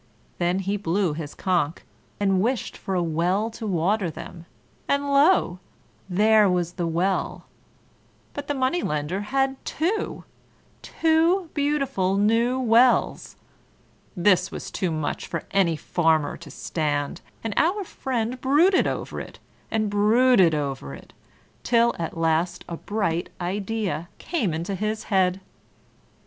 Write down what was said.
Then he blew his conch, and wished for a well to water them, and lo! there was the well, but the Money lender had two! two beautiful new wells! This was too much for any Farmer to stand; and our friend brooded over it, and brooded over it, till at last a bright idea came into his head.